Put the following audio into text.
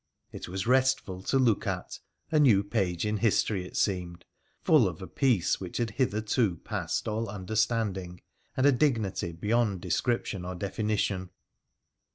It was restful to look at, a new page in history it seemed, full of a peace which had hitherto passed all understanding and a dignity beyond description or definition.